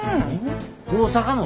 大阪の。